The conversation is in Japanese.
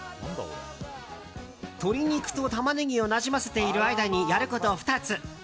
鶏肉とタマネギをなじませている間にやること２つ。